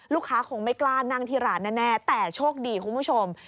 คงไม่กล้านั่งที่ร้านแน่แต่โชคดีคุณผู้ชม